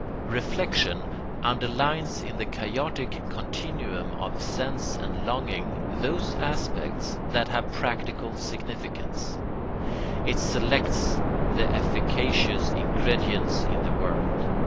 Reflection underlines in the chaotic continuum of sense and longing those aspects that have practical significance; it selects the efficacious ingredients in the world.